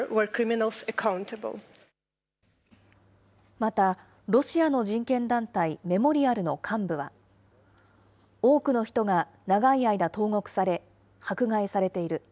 また、ロシアの人権団体、メモリアルの幹部は、多くの人が長い間、投獄され、迫害されている。